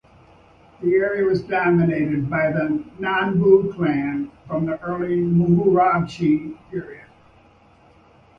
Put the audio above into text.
The area was dominated by the Nanbu clan from the early Muromachi period.